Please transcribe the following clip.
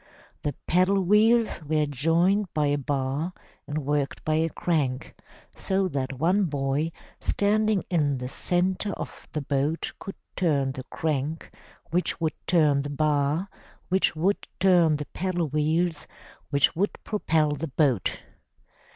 The paddle wheels were joined by a bar and worked by a crank, so that one boy, standing in the center of the boat could turn the crank, which would turn the bar, which would turn the paddle wheels, which would propel the boat!